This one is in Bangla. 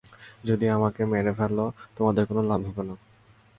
যদি আমাকে মেরে ফেল তোমাদের কোনো লাভ হবে না।